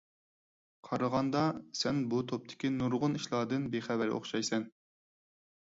قارىغاندا سەن بۇ توپتىكى نۇرغۇن ئىشلاردىن بىخەۋەر ئوخشايسەن.